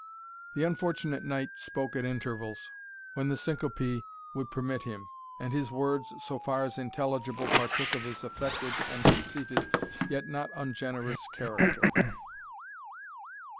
The unfortunate knight spoke at intervals, when the syncope would permit him, and his words, so far as intelligible, partook of his affected and conceited, yet not ungenerous character.